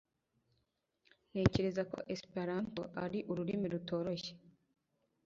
Ntekereza ko Esperanto ari ururimi rutoroshye.